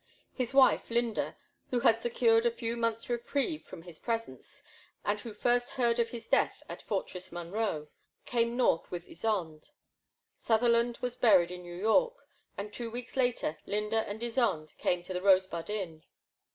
His wife, Lynda, who had secured a few month's reprieve from his presence, and who first heard of his death at Fortress Monroe, came north with Ysonde. Sutherland was buried in New York, and two weeks later Lynda and Ysonde came to the Rose bud Inn.